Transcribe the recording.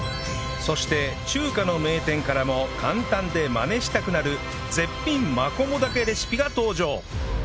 そして中華の名店からも簡単でマネしたくなる絶品マコモダケレシピが登場